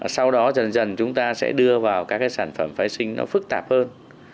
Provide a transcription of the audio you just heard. sau đó dần dần chúng ta sẽ đưa vào các cái sản phẩm phái sinh nó phức tạp hơn